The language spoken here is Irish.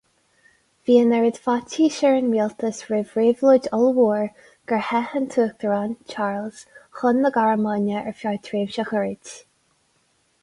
Bhí an oiread faitís ar an rialtas roimh réabhlóid ollmhór gur theith an tUachtarán, Charles, chun na Gearmáine ar feadh tréimhse ghairid.